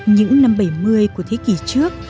những năm bảy mươi của thế kỷ trước